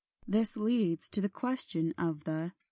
This leads to the question of the 36.